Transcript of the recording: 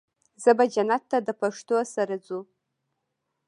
زه به جنت ته د پښتو سره ځو